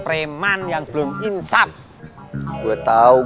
pokoknya ibu mau beli telur